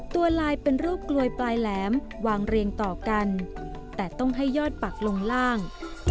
ลายเป็นรูปกลวยปลายแหลมวางเรียงต่อกันแต่ต้องให้ยอดปักลงล่าง